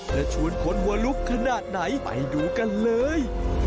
จะชวนคนหัวลุกขนาดไหนไปดูกันเลย